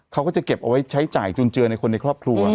เขาก็จะเก็บเอาไว้ใช้จ่ายจุนเจือในคนในครอบครัว